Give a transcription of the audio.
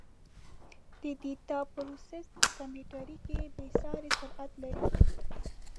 د ډیټا پروسس په کمپیوټر کې بېساري سرعت لري.